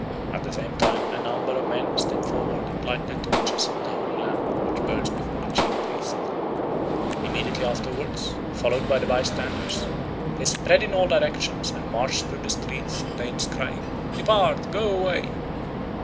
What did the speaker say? At the same time a number of men step forward and light their torches at the holy lamp which burns before the chief priest. Immediately afterwards, followed by the bystanders, they spread in all directions and march through the streets and lanes crying, "Depart! go away!"